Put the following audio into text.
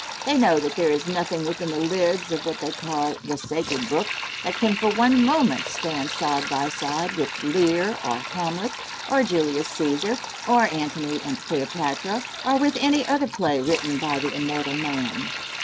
They know that there is nothing within the lids of what they call "the sacred book" that can for one moment stand side by side with "Lear" or "Hamlet" or "Julius Cæsar" or "Antony and Cleopatra" or with any other play written by the immortal man.